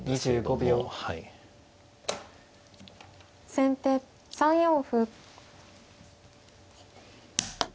先手３四歩。